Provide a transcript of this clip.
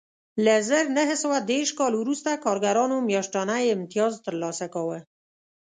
له زر نه سوه دېرش کال وروسته کارګرانو میاشتنی امتیاز ترلاسه کاوه